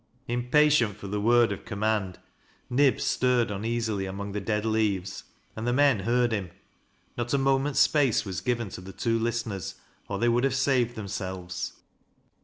Impatient for the word of command, Nib stirred un easily among the dead leaves, and the men heard him Not a moment's space was given to the two listeners, oi they would have saved themselves.